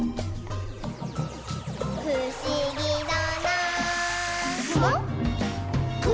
「ふしぎだなぁ」